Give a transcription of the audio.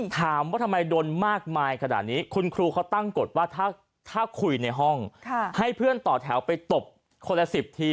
ถามว่าทำไมโดนมากมายขนาดนี้คุณครูเขาตั้งกฎว่าถ้าคุยในห้องให้เพื่อนต่อแถวไปตบคนละ๑๐ที